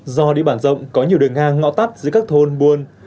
do địa bàn rộng có nhiều đường ngang ngọ tắt giữa các thôn buôn